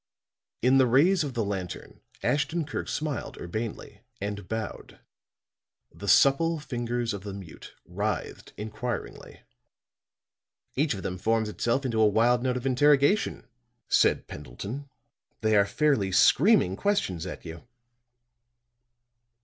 In the rays of the lantern Ashton Kirk smiled urbanely, and bowed. The supple fingers of the mute writhed inquiringly. "Each of them forms itself into a wild note of interrogation," said Pendleton. "They are fairly screaming questions at you."